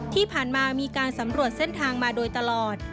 ที่ผ่านมามีการสำรวจเส้นทางมาโดยตลอด